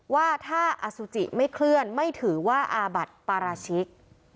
ว่าถ้าอสุจิไม่เคลื่อนไม่ถือว่าอาบัติปราชิก